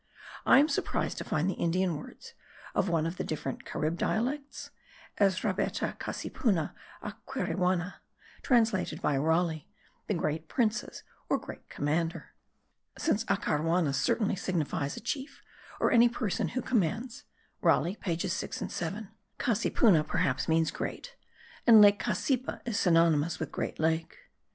I am surprised to find the Indian words [of one of the different Carib dialects?] Ezrabeta cassipuna aquerewana, translated by Raleigh, the great princes or greatest commander. Since acarwana certainly signifies a chief, or any person who commands (Raleigh pages 6 and 7), cassipuna perhaps means great, and lake Cassipa is synonymous with great lake.